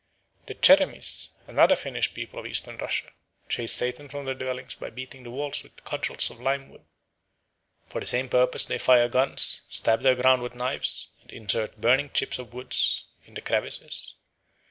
The Cheremiss, another Finnish people of Eastern Russia, chase Satan from their dwellings by beating the walls with cudgels of lime wood. For the same purpose they fire guns, stab the ground with knives, and insert burning chips of wood in the crevices.